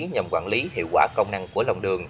nhằm quản lý hiệu quả công năng của lòng đường